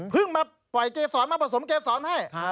พึ่งมาปล่อยเกษรศรมาผสมเกษรศรให้